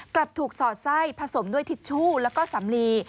กลับถูกสอดไส้ผสมด้วยทิชชู่แล้วก็สำลี